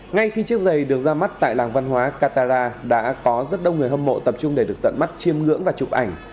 ngay khi chiếc giày được ra mắt tại làng văn hóa catara đã có rất đông người hâm mộ tập trung để được tận mắt chiêm ngưỡng và chụp ảnh